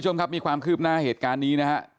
มีความคืบหน้าเหตุการณ์นี้นะฮะ